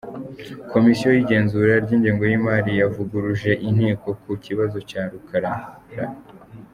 Komisiyo y’igenzura ry’ingengo y’imari yavuguruje Inteko ku kibazo cya Rukarara